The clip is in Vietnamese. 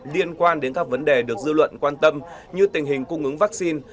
liên quan đến các vấn đề được dư luận quan tâm như tình hình cung ứng vaccine